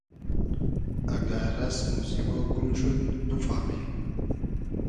اگۂ رئسم و زیبۉ گوم شود بوفامی